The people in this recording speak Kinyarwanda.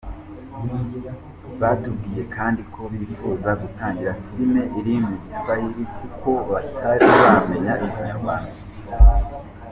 Batubwiye kandi ko bifuza gutangirana filime iri mu Giswahili kuko batari bamenya Ikinyarwanda.